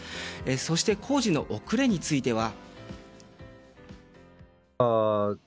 そして工事の遅れについては。